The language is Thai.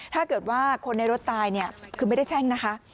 ถ้าเกิดว่าคนในรถตายเนี่ยคือไม่ได้แช่งนะคะ